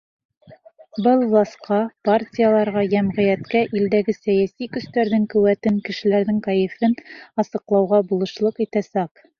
Был власҡа, партияларға, йәмғиәткә илдәге сәйәси көстәрҙең ҡеүәтен, кешеләрҙең кәйефен асыҡлауға булышлыҡ итәсәк.